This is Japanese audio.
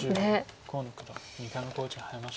河野九段２回目の考慮時間に入りました。